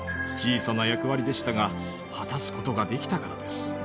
でしたが果たすことができたからです。